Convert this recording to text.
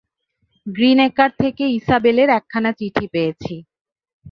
Greenacre থেকে ইসাবেল-এর একখানা চিঠি পেয়েছি।